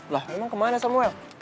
lah emang kemana samuel